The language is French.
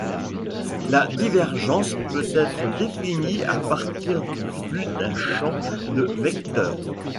La divergence peut être définie à partir du flux d'un champ de vecteur.